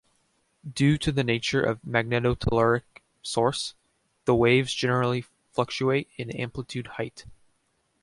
Due to the nature of magnetotelluric source, the waves generally fluctuate in amplitude height.